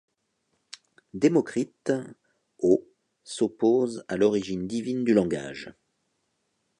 Démocrite, au s'oppose à l'origine divine du langage.